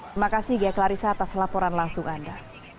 terima kasih ghea klarissa atas laporan langsung anda